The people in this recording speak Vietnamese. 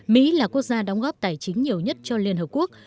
mỹ là quốc gia đóng góp tài chính nhiều nhất cho các cơ quan trực thuộc